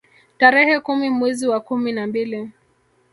Tarehe kumi mwezi wa kumi na mbili